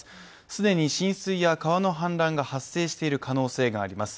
既に浸水や川の氾濫が発生している可能性があります。